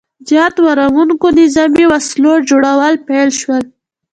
زیاتو ورانوونکو نظامي وسلو جوړول پیل شو.